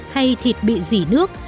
hay thịt bị rỉ nước